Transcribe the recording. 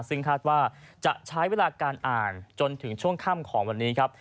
ซึ่งคาดว่าจะใช้เวลาการอ่านจนถึงช่วงค่ำของวันนี้ครับ